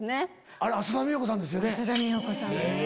あれ浅田美代子さんですよね。